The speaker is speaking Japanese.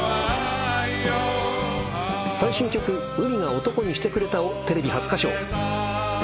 最新曲『海が男にしてくれた』をテレビ初歌唱。